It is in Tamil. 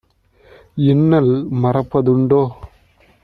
இன்னல் மறப்ப துண்டோ?"